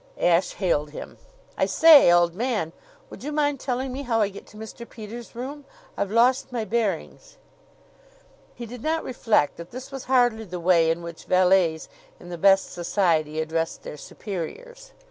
Ashe hailed him: "I say, old man, would you mind telling me how I get to Mr. Peters' room? I've lost my bearings." He did not reflect that this was hardly the way in which valets in the best society addressed their superiors.